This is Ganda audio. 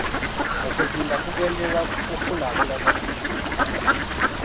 Okuzimba kugendereddwa kukulaakulanya kibuga.